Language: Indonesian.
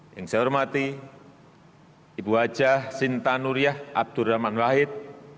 yang saya hormati ibu hajah sinta nuriyah abdurrahman wahid